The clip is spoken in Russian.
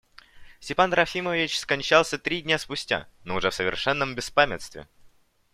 Степан Трофимович скончался три дня спустя, но уже в совершенном беспамятстве.